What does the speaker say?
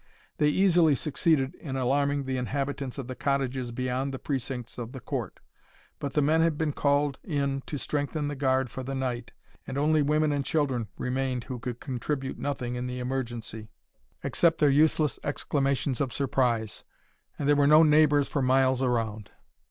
They easily succeeded in alarming the inhabitants of the cottages beyond the precincts of the court; but the men had been called in to strengthen the guard for the night, and only women and children remained who could contribute nothing in the emergency, except their useless exclamations of surprise, and there were no neighbours for miles around.